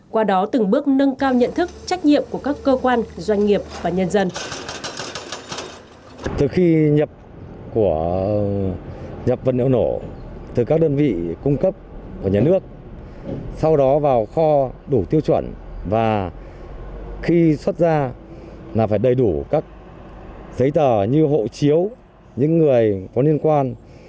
qua đó từng bước nâng cao nhận thức trách nhiệm của các cơ quan doanh nghiệp và nhân dân